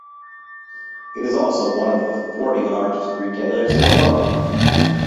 It is also one of the forty largest retailers in the world.